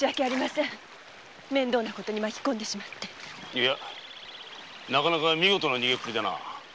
いやなかなか見事な逃げっぷりだな。